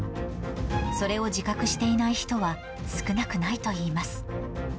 それを自覚していない人は、少なくないといいます。